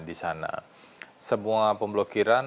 di sana semua pemblokiran